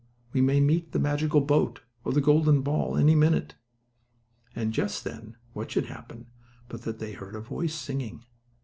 We may meet the magical boat, or the golden ball, any minute." And just then, what should happen, but that they heard a voice singing.